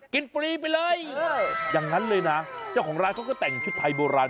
ฟรีไปเลยอย่างนั้นเลยนะเจ้าของร้านเขาก็แต่งชุดไทยโบราณ